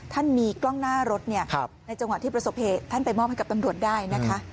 ท่านมีกล้องหน้ารถในจังหวะที่ประสบเหตุท่านไปมอบให้กับตำรวจได้นะคะ